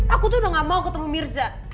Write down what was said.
aku tuh udah gak mau ketemu mirza